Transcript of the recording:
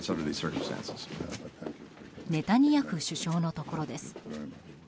ネタニヤフ首相のところです。